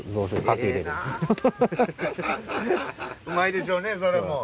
うまいでしょうねそれも。